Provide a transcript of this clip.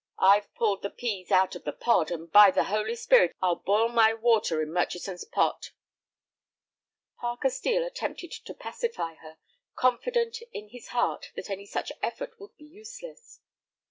I've pulled the pease out of the pod, and by the Holy Spirit I'll boil my water in Murchison's pot!" Parker Steel attempted to pacify her, confident in his heart that any such effort would be useless.